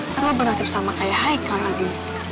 kan lo berhasil sama kayak haikal lagi